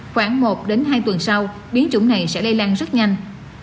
khoảng một đến hai tuần sau biến chủng này sẽ lây lan rất nhanh